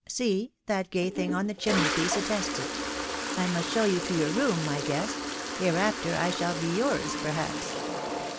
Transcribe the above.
See t that gay thing on the chim ney piece attests it ... I must show you to your room, my guest ; hereafter I shall be yours, perhaps.